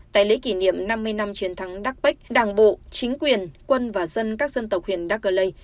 tại lễ kỷ niệm năm mươi năm chiến thắng đắc bách đảng bộ chính quyền quân và dân các dân tộc huyện đắc lê